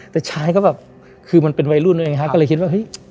แต่ชายก็แบบคือมันเป็นวัยรุ่นตัวเองฮะก็เลยคิดว่าเฮ้ย